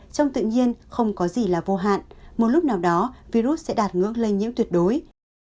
trong tự nhiên không có gì là vô hạn một lúc nào đó virus sẽ đạt ngưỡng lây nhiễm tuyệt đối